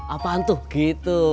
apaan tuh gitu